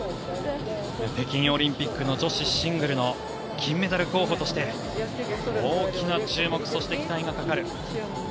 北京オリンピックの女子シングルの金メダル候補として大きな注目そして期待がかかる。